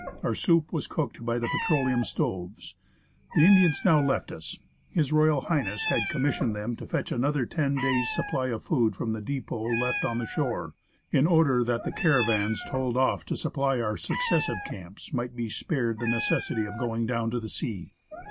Our soup was cooked by the petroleum stoves. The Indians now left us. H.R.H. had commissioned them to fetch another ten days' supply of food from . ^1.: CAMP ON THE SUMMIT OF THE MORAINE. the depot left on the shore, in order that the caravans told off to supply our successive camps might be spared the necessity of going down to the sea.